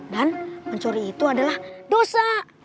mencuri itu adalah dosa